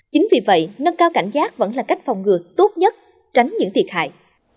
chính vì vậy nâng cao cảnh giác vẫn là cách phòng ngừa tốt nhất tránh những thiệt hại